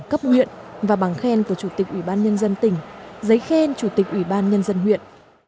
cấp huyện và bằng khen của chủ tịch ủy ban nhân dân tỉnh giấy khen chủ tịch ủy ban nhân dân huyện